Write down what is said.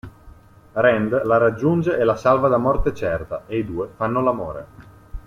Rand la raggiunge e la salva da morte certa e i due fanno l'amore.